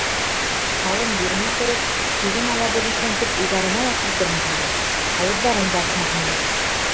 Ҡалым бирмәй тороп, килен алабыҙ икән тип уйҙарына ла килтермәһендәр, ауыҙҙарын да асмаһындар.